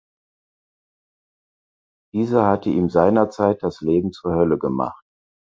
Dieser hatte ihm seinerzeit das Leben zur Hölle gemacht.